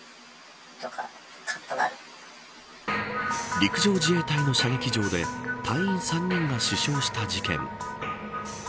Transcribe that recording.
陸上自衛隊の射撃場で隊員３人が死傷した事件。